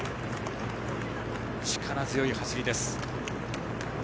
力強い走りです。